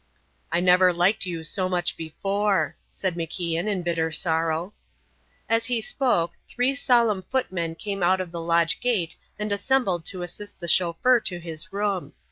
"I never liked you so much before," said MacIan, in bitter sorrow. As he spoke, three solemn footmen came out of the lodge gate and assembled to assist the chauffeur to his room.